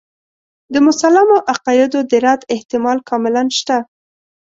د مسلمو عقایدو د رد احتمال کاملاً شته.